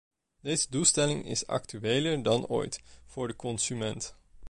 Deze doelstelling is actueler dan ooit voor de consument.